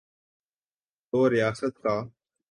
تو ریاست کا۔